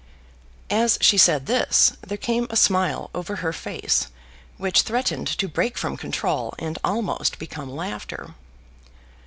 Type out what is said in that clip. As she said this, there came a smile over her face, which threatened to break from control and almost become laughter.